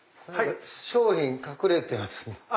商品隠れてますね。